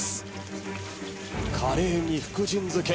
カレーに福神漬け。